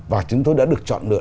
và chúng tôi đã được chọn lựa